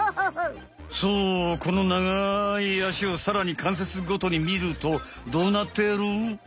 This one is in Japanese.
そうこの長いあしをさらにかんせつごとにみるとどうなってる？